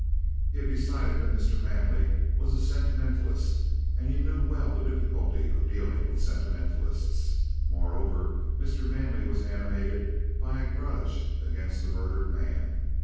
He had decided that Mr. Manley was a sentimentalist, and he knew well the difficulty of dealing with sentimentalists. Moreover, Mr. Manley was animated by a grudge against the murdered man.